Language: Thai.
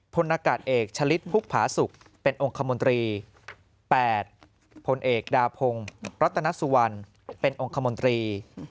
พลนากาศเอกชะลิดพุกผาสุกเป็นองค์คมนตรี๘พลเอกดาพงศ์รัตนสุวรรณเป็นองค์คมนตรี